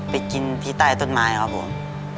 กินที่ใต้ต้นไม้ครับผม